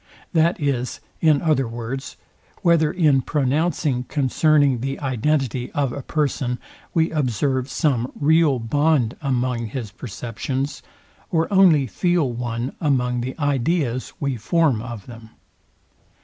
That is, in other words, whether in pronouncing concerning the identity of a person, we observe some real bond among his perceptions, or only feel one among the ideas we form of them.